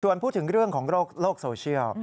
ส่วนพูดถึงเรื่องของโลกโซเชียล